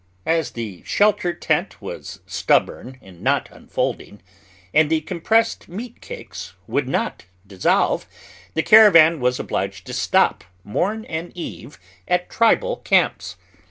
As the shelter tent was stubborn in not unfolding, and the compressed meat cakes would not dissolve, the caravan was obliged to stop, morn and eve, at tribal camps.